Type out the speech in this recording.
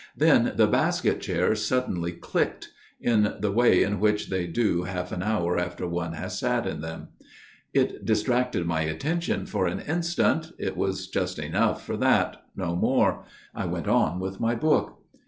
Then the basket chair suddenly clicked, in the way in which they do half an hour after one has sat in them. It distracted my attention for an instant it was just enough for that ; no more. I went on with my book.